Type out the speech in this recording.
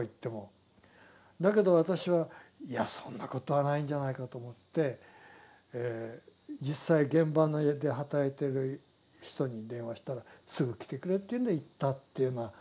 だけど私はいやそんなことはないんじゃないかと思って実際現場で働いてる人に電話したら「すぐ来てくれ」と言うんで行ったっていうような。